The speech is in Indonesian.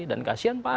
dan kasihan pak agung